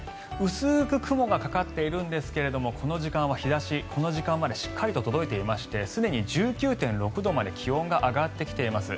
薄く雲がかかっているんですが日差しはこの時間までしっかりと届いていましてすでに１９．６度まで気温が上がってきています。